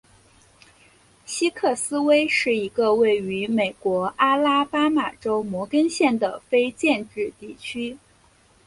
西克斯威是一个位于美国阿拉巴马州摩根县的非建制地区。